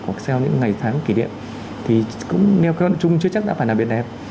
hoặc theo những ngày tháng kỷ niệm thì cũng nêu con trung chưa chắc đã phải là biển đẹp